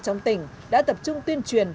trong tỉnh đã tập trung tuyên truyền